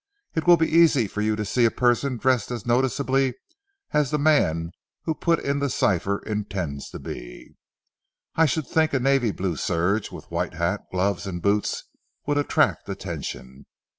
It will be easy for you to see a person dressed as noticeably as the man who put in the cipher intends to be. I should think a navy blue serge with white hat, gloves, and boots would attract attention.